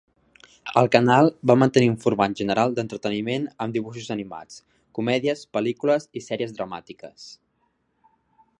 El canal va mantenir un format general d"entreteniment, amb dibuixos animats, comèdies, pel·lícules i sèries dramàtiques.